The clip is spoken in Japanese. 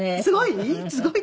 すごい？